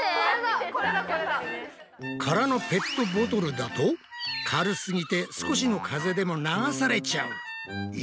空のペットボトルだと軽すぎて少しの風でも流されちゃう！